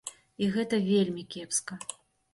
І гэта вельмі кепска.